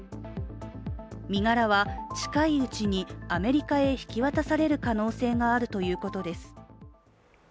身柄は近いうちにアメリカへ引き渡される可能性があるということです。